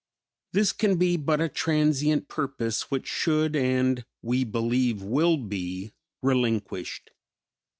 This can be but a transient purpose which should and, we believe will be, relinquished.